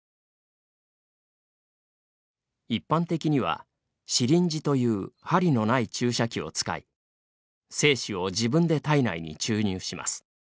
一般的には、「シリンジ」という針のない注射器を使い精子を自分で体内に注入します。